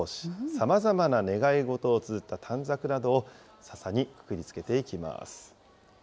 さまざまな願い事を続いた短冊などをささにくくりつけていきます。